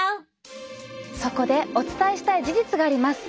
そこでお伝えしたい事実があります。